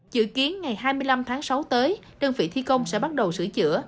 dự kiến ngày hai mươi năm tháng sáu tới đơn vị thi công sẽ bắt đầu sửa chữa